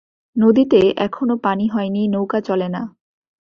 নদীতে এখনো পানি হয়নি, নৌকা, চলে না।